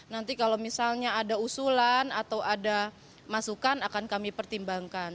nanti kalau misalnya ada usulan atau ada masukan akan kami pertimbangkan